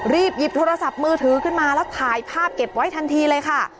หยิบโทรศัพท์มือถือขึ้นมาแล้วถ่ายภาพเก็บไว้ทันทีเลยค่ะ